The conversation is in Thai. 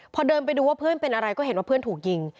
พอเดินไปดูว่าเพื่อนเป็นอะไรก็เห็นว่าเพื่อนถูกยิง